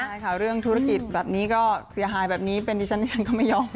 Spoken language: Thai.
ใช่ค่ะเรื่องธุรกิจแบบนี้ก็เสียหายแบบนี้เป็นดิฉันดิฉันก็ไม่ยอม